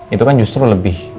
itu kan justru lebih